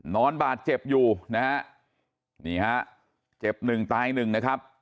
นอนบาดเจ็บอยู่นะฮะนี่ฮะเจ็บหนึ่งตายหนึ่งนะครับ